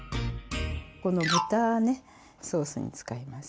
この豚ねソースに使います。